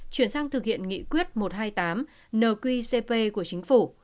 chuyển sang thực hiện nghị quyết một trăm hai mươi tám nờ quy cp của chính phủ